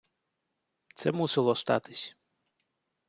Це мусило статись.